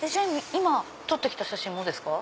今撮って来た写真もですか？